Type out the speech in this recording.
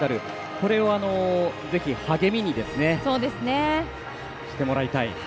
これをぜひ励みにしてもらいたい。